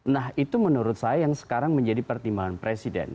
nah itu menurut saya yang sekarang menjadi pertimbangan presiden